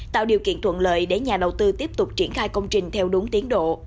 tạo điều kiện thuận lợi để nhà đầu tư tiếp tục triển khai công trình theo đúng tiến độ